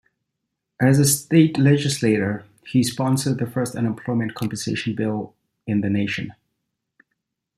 As a state legislator, he sponsored the first unemployment compensation bill in the nation.